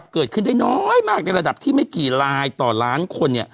เกิดขึ้นได้น้อยมากในระดับที่ไม่กี่ลายต่อล้านคน